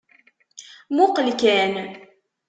Muqel kan.